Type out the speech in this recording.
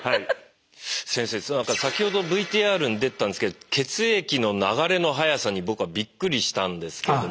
先生先ほどＶＴＲに出てたんですけど血液の流れの速さに僕はびっくりしたんですけども。